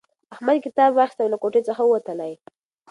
احمد کتاب واخیستی او له کوټې څخه ووتلی.